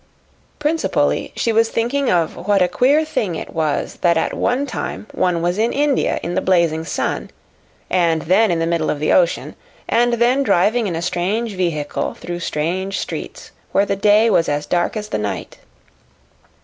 Principally, she was thinking of what a queer thing it was that at one time one was in India in the blazing sun, and then in the middle of the ocean, and then driving in a strange vehicle through strange streets where the day was as dark as the night.